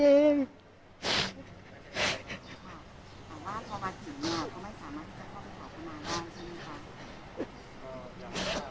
บ้านประมาณ๑๐นาทีเขาไม่สามารถจะเข้าไปขอประมาณนานที่นี่ค่ะ